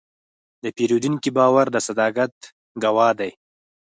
د پیرودونکي باور د صداقت ګواه دی.